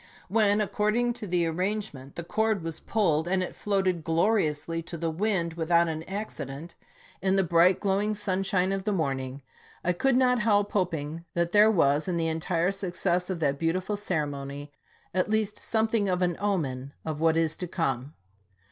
When, according to the arrangement, the cord was pulled, and it floated glori ously to the wind, without an accident, in the bright, glowing sunshine of the morning, I could not help hop ing that there was, in the entire success of that beautiful ceremony, at least something of an omen of what is to come.